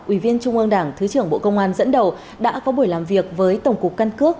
ủy viên trung ương đảng thứ trưởng bộ công an dẫn đầu đã có buổi làm việc với tổng cục căn cước